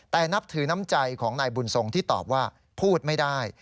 แต่นับถือน้ำใจของนายบุญทรงที่ตอบว่าพูดไม่ได้